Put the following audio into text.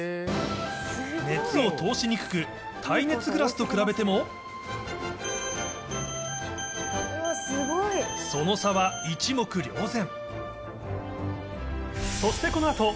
熱を通しにくく、耐熱グラスと比べても、その差は一目瞭然。